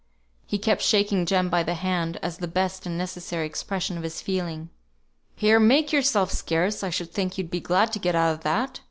He kept shaking Jem by the hand as the best and necessary expression of his feeling. "Here! make yourself scarce! I should think you'd be glad to get out of that!"